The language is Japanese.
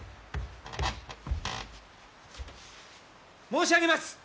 申し上げます！